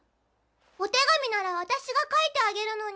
「お手紙なら私が書いてあげるのに」